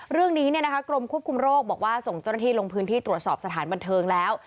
เรื่องนี้กรมควบคุมโรคบอกว่าส่งเจ้าหน้าที่ลงพื้นที่ตรวจสอบสถานบันเทิงแล้ว